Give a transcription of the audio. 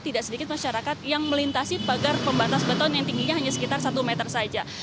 tidak sedikit masyarakat yang melintasi pagar pembatas beton yang tingginya hanya sekitar satu meter saja